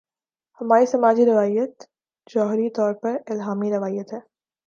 ہماری سماجی روایت جوہری طور پر الہامی روایت ہے۔